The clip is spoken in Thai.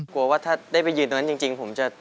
กลัวว่าถ้าได้ไปยืนตรงนั้นจริงผมจะ